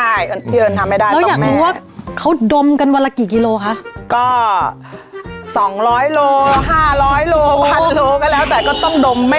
ใช่พี่เอิญทำไม่ได้แล้วอยากรู้ว่าเขาดมกันวันละกี่กิโลคะก็สองร้อยโลห้าร้อยโลพันโลกันแล้วแต่ก็ต้องดมไม่